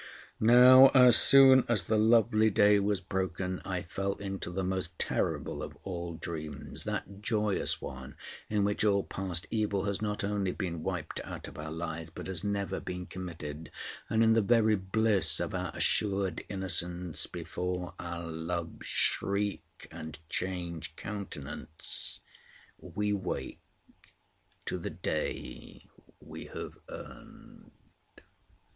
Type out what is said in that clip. Now as soon as the lovely day was broken, I fell into the most terrible of all dreams—that joyous one in which all past evil has not only been wiped out of our lives, but has never been committed; and in the very bliss of our assured innocence, before our loves shriek and change countenance, we wake to the day we have earned.